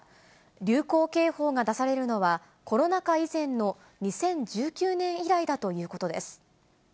流行警報が出されるのは、コロナ禍以前の２０１９年以来だということです。